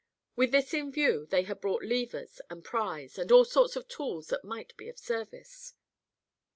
With this in view they had brought levers and pries and all sorts of tools that might be of service.